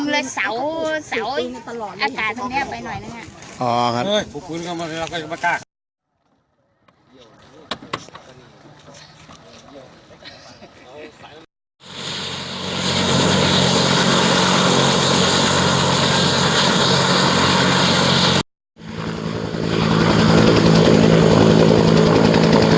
และที่สุดท้ายและที่สุดท้าย